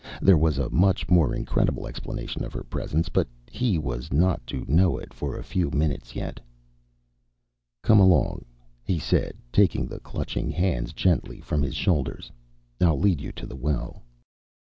There was a much more incredible explanation of her presence, but he was not to know it for a few minutes yet. "Come along," he said, taking the clutching hands gently from his shoulders. "I'll lead you to the well."